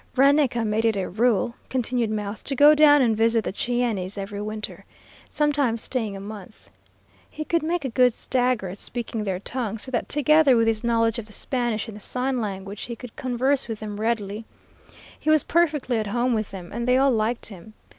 "Raneka made it a rule," continued Mouse, "to go down and visit the Cheyennes every winter, sometimes staying a month. He could make a good stagger at speaking their tongue, so that together with his knowledge of the Spanish and the sign language he could converse with them readily. He was perfectly at home with them, and they all liked him.